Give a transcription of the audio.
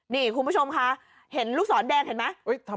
นี่คุณผู้ชมคะเห็นลูกศรแดงเห็นไหม